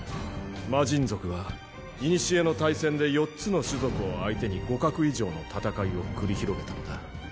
魔神族は古の大戦で四つの種族を相手に互角以上の戦いを繰り広げたのだ。